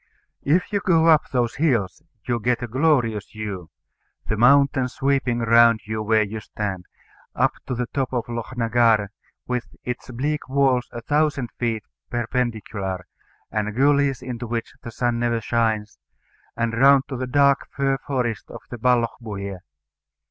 If you go up those hills, you get a glorious view the mountains sweeping round you where you stand, up to the top of Lochnagar, with its bleak walls a thousand feet perpendicular, and gullies into which the sun never shines, and round to the dark fir forests of the Ballochbuie.